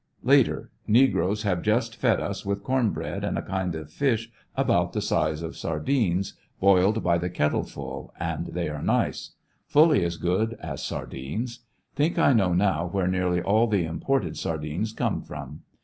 Latek.— Negroes have just fed us with corn bread and a kind of fish about the size of sardines, boiled by the kettle full, and they are nice. Fully as good as sar dines. Think I know now where nearly all the imported sardines come from.